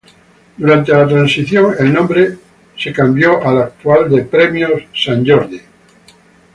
Durante la Transición, el nombre fue cambiado al actual de Premios Sant Jordi.